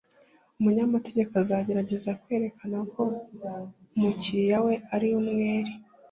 Umunyamategeko azagerageza kwerekana ko umukiriya we ari umwere